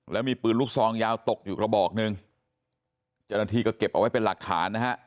และมีปืนรุกซองยาวตกอยู่ระบอก๑เดิมอาทีเก็บไว้เป็นหลักฐานนะคะ